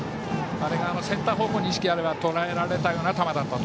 あれがセンター方向に意識があればとらえられたような球でした。